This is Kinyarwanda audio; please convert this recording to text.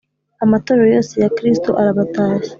Amatorero yose ya Kristo arabatashya